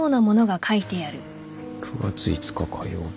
「９月５日火曜日」